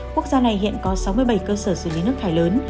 quốc gia này hiện có sáu mươi bảy cơ sở xử lý nước thải lớn